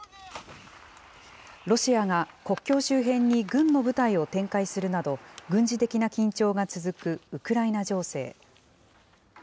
ロシアが、国境周辺に軍の部隊を展開するなど、軍事的な緊張が続くウクライナ情勢。